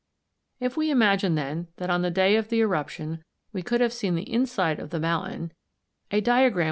If we imagine then that on the day of the eruption we could have seen the inside of the mountain, the diagram (Fig.